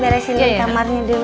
beresin kamarnya dulu ya